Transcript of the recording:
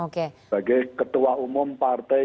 sebagai ketua umum partai